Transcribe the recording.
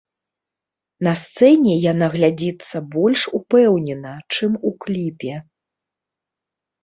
На сцэне яна глядзіцца больш упэўнена, чым у кліпе.